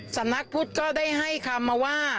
สำนักพุทธก็ได้ให้คำมาว่า